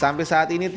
sampai saat ini